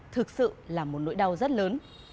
thực sự là một nỗi đau rất lớn